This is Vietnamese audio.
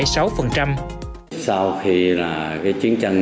sau khi là cái chiến tranh